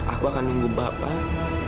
aku akan menunggu bapak